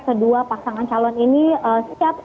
kedua pasangan calon ini siap